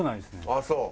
あっそう。